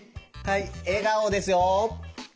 はい笑顔ですよ。